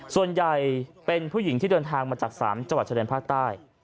ส่วนใหญ่เป็นผู้หญิงที่เดินทางมาจาก๓จังหวัดชายแดนภาคใต้